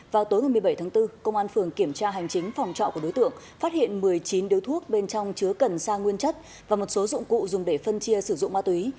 vào tối một mươi bảy tháng bốn công an phường kiểm tra hành chính phòng trọ của đối tượng phát hiện một mươi chín điếu thuốc bên trong chứa cần sa nguyên chất và một số dụng cụ dùng để phân chia sử dụng ma túy